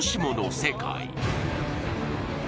世界。